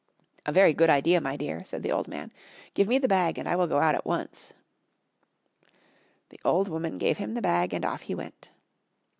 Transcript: "A very good idea, my dear," said the old man, "give me the bag and I will go out at once." The old woman gave him the bag and off he went.